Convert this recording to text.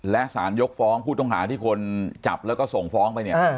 และสารยกฟ้องผู้ต้องหาที่คนจับแล้วก็ส่งฟ้องไปเนี่ย